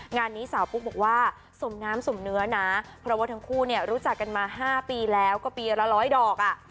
งานนี้สาวปุ๊กบอกว่าสมน้ำสมเนื้อนะเพราะว่าทั้งคู่เนี่ยรู้จักกันมา๕ปีแล้วก็ปีละร้อยดอกอ่ะ